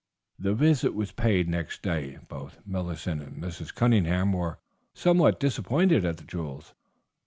The visit was paid next day. Both Millicent and Mrs. Cunningham were somewhat disappointed at the jewels.